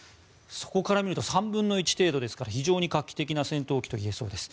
そこから見ると３分の１程度ですから非常に画期的な戦闘機といえそうです。